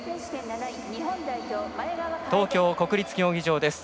東京・国立競技場です。